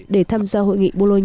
để tham gia hội nghị bộ trưởng